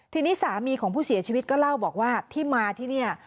ทีนี้สามีของผู้เสียชีวิตก็เล่าบอกว่าที่มาที่นี่